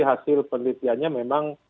hasil penelitiannya memang